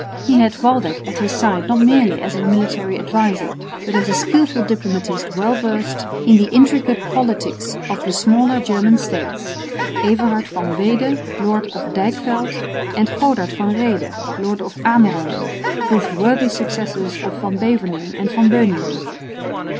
He had Waldeck at his side not merely as a military adviser, but as a skilful diplomatist well versed in the intricate politics of the smaller German states; Everhard van Weede, lord of Dijkveld, and Godard van Rheede, lord of Amerongen, proved worthy successors of Van Beverningh and Van Beuningen.